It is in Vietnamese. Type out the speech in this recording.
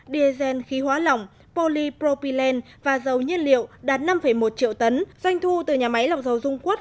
diesel khí hóa lỏng polypropyland và dầu nhiên liệu đạt năm một triệu tấn doanh thu từ nhà máy lọc dầu dung quất